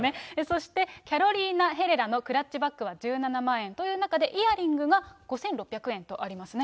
そして、キャロリーナ・ヘレラのクラッチバッグは１７万という中で、イヤリングが５６００円とありますね。